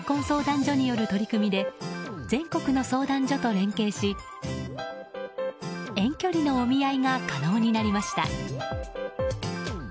相談所による取り組みで全国の相談所と連携し遠距離のお見合いが可能になりました。